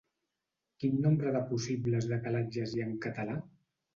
Quin nombre de possibles decalatges hi ha en català?